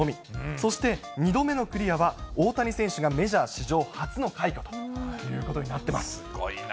そして２度目のクリアは大谷選手がメジャー史上初の快挙というこすごいな。